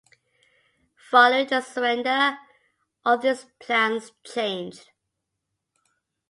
Following the surrender, all these plans changed.